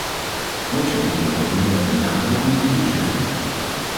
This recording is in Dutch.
Ook zijn er problemen bij de nakoming van toezeggingen.